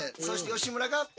そして吉村が。